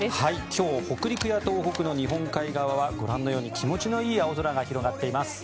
今日北陸や東北の日本海側はご覧のように気持ちのいい青空が広がっています。